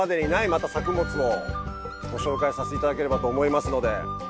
また作物をご紹介させていただければと思いますので。